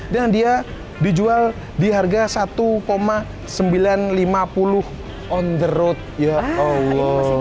dan dia dijual di harga satu sembilan ratus lima puluh on the road ya allah